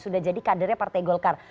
sudah jadi kadernya partai golkar